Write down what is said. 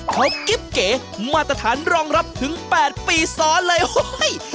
เขากิ๊บเก๋มาตรฐานรองรับถึง๘ปีซ้อนเลยเฮ้ย